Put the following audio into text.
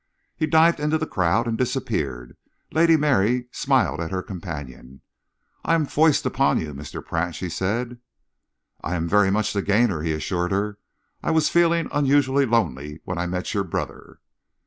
He dived into the crowd and disappeared. Lady Mary smiled at her companion. "I am foist upon you, Mr. Pratt," she said. "I am very much the gainer," he assured her. "I was feeling unusually lonely when I met your brother."